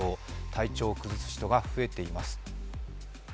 体調を崩す人が増えています。